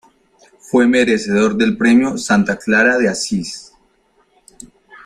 Fue merecedor del premio Santa Clara de Asís.